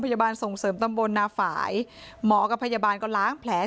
ส่งเสริมตำบลนาฝ่ายหมอกับพยาบาลก็ล้างแผล